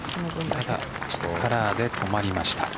ただ、カラーで止まりました。